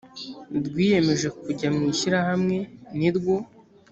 rwiyemeje kujya mu ishyirahamwe ni rwo